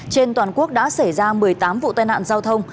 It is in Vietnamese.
trên toàn quốc đã xảy ra một mươi tám vụ tai nạn giao thông